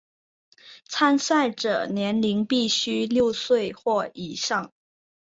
参赛者年龄必须六岁或以上。